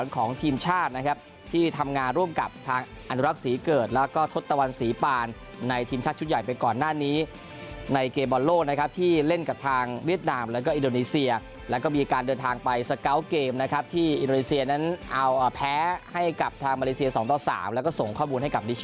ของทีมชาตินะครับที่ทำงานร่วมกับทางอนุรักษ์ศรีเกิดแล้วก็ทศตวรรษีปานในทีมชาติชุดใหญ่ไปก่อนหน้านี้ในเกมบอลโลกนะครับที่เล่นกับทางเวียดนามแล้วก็อินโดนีเซียแล้วก็มีการเดินทางไปสเกาะเกมนะครับที่อินโดนีเซียนั้นเอาแพ้ให้กับทางมาเลเซีย๒ต่อ๓แล้วก็ส่งข้อมูลให้กับดิช